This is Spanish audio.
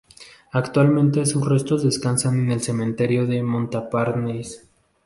Actualmente sus restos descansan en el cementerio de Montparnasse.